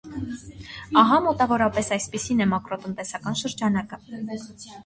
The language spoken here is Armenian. Ահա, մոտավորապես, այսպիսին է մակրոտնտեսական շրջանակը: